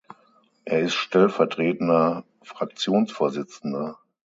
Er ist stellvertretender Fraktionsvorsitzender.